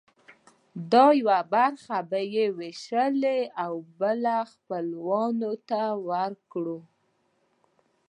دا یوه برخه به یې وویشله او یوه خپلوانو ته ورکړه.